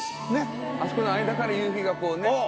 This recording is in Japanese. あそこの間から夕日がこうね。